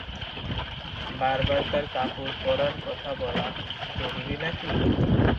বার বার তার কাপড় পরার কথা বলা জরুরী নাকি?